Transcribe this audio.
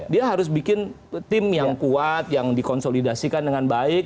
dia harus bikin tim yang kuat yang dikonsolidasikan dengan baik